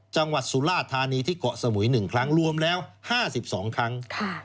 จังหวัดสุราธานีที่เกาะสมุย๑ครั้งรวมแล้ว๕๒ครั้ง